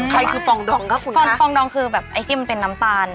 ใครคือฟองดองครับคุณฟองดองคือแบบไอ้ที่มันเป็นน้ำตาล